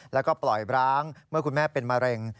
แล้วก็ปล่อยร้างเมื่อคุณแม่เป็นมะเร็ง